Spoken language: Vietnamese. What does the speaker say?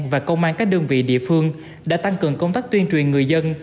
và công an các đơn vị địa phương đã tăng cường công tác tuyên truyền người dân